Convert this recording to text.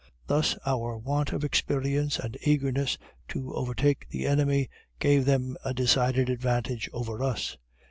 Thus our want of experience and eagerness to overtake the enemy, gave them a decided advantage over us.